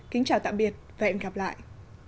kính chào tạm biệt và hẹn gặp lại